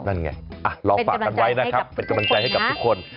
นั่นไงเป็นกำลังใจให้กับทุกคนนะ